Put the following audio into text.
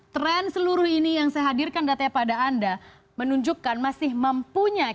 tren seluruh ini yang saya hadirkan datanya pada anda menunjukkan masih mempunyai